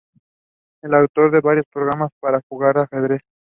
Es autor de varios programas para jugar ajedrez.